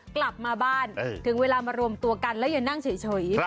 กลับมาบ้านถึงเวลามารวมตัวกันแล้วอย่านั่งเฉย